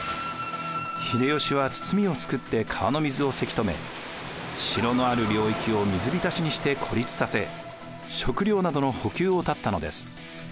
秀吉は堤を作って川の水をせき止め城のある領域を水浸しにして孤立させ食料などの補給を断ったのです。